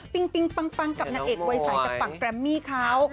ปิ๊งปังกับนาเอ็กซ์เวย์ใสจากฝั่งแกรมมี่เขา